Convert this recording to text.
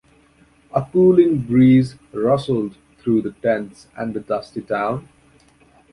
A cooling breeze rustled through the tents and the dusty town.